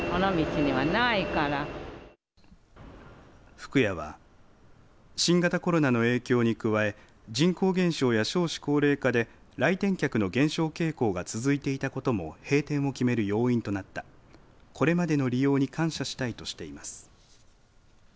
福屋は新型コロナの影響に加え人口減少や少子高齢化で来店客の減少傾向が続いていたことも閉店を決める要因となったこれまでの利用に感謝したいとしています。